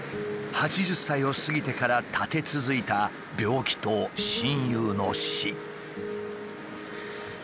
８０歳を過ぎてから立て続いた病気と親友の死。